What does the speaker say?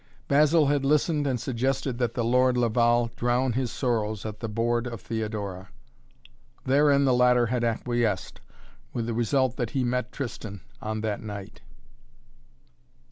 Basil had listened and suggested that the Lord Laval drown his sorrows at the board of Theodora. Therein the latter had acquiesced, with the result that he met Tristan on that night.